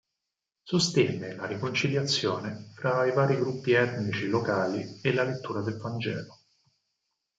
Sostenne la riconciliazione fra i vari gruppi etnici locali e la lettura del Vangelo.